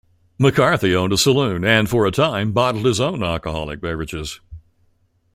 McCarthy owned a saloon and for a time bottled his own alcoholic beverages.